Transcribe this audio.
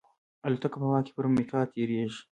الوتکه په هوا کې پر میقات تېرېږي.